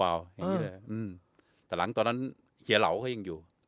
อย่างแบบนี้อ่ะอืมแต่หลังตอนนั้นเฮียเหล่าก็ยิ่งอยู่